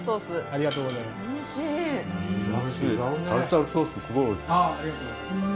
ありがとうございます。